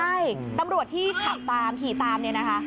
ใช่ตำรวจที่ขับตามขี่ตามเนี่ยนะคะ